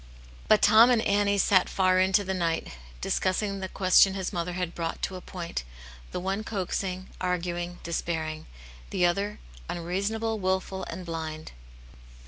But Tom and Annie sat far into the night, dis cussing the question his mother had brought to a point, the one coaxing, arguing, despairing; the other unreasonable, wilful, and blind.